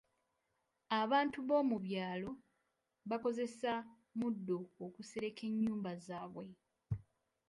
Abantu b'omu byalo bakozesa muddo okusereka ennyumba zaabwe.